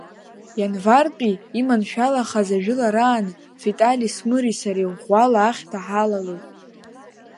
Ианвартәи иманшәаламхаз ажәылараан, Витали Смыри сареи ӷәӷәала ахьҭа ҳалалоит.